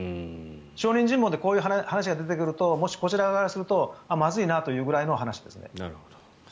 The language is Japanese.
証人尋問でこういう話が出てくるとこちら側からするとまずいなというぐらいの話です。